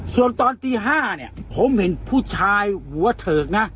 ส่วนตอนตี๕เนี่ยผมเห็นผู้ชายหัวเถิกนะ